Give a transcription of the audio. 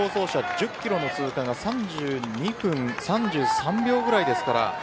１０キロの通過が３２分３３秒ぐらいです。